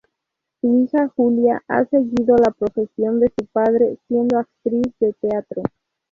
Su hija, Julia, ha seguido la profesión de su padre, siendo actriz de teatro.